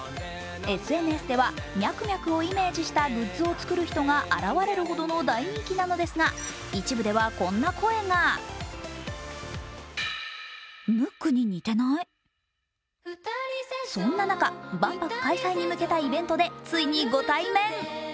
ＳＮＳでは、ミャクミャクをイメージしたグッズを作る人が現れるほどの大人気なのですが、一部ではこんな声がそんな中、万博開催に向けたイベントでついにご対面。